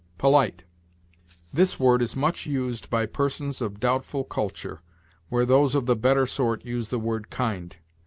POLITE. This word is much used by persons of doubtful culture, where those of the better sort use the word kind.